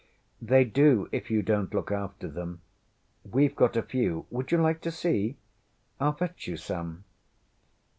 ŌĆśThey do if you donŌĆÖt look after them. WeŌĆÖve got a few. Would you like to see? IŌĆÖll fetch you some.